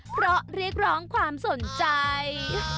เพราะเรียกร้องความสนใจ